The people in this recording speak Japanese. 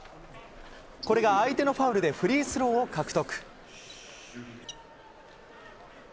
これが相手のファウルでフリースローを獲得。